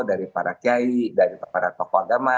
dari para kiai dari para tokoh agama